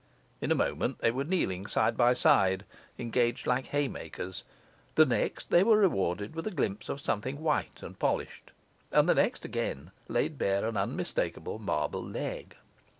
in a moment they were kneeling side by side, engaged like haymakers; the next they were rewarded with a glimpse of something white and polished; and the next again laid bare an unmistakable marble leg.